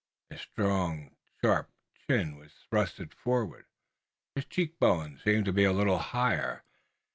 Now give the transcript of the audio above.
His strong sharp chin was thrust forward. His cheek bones seemed to be a little higher.